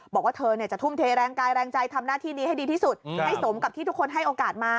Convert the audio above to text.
บอกว่าเธอจะทุ่มเทแรงกายแรงใจทำหน้าที่นี้ให้ดีที่สุดให้สมกับที่ทุกคนให้โอกาสมา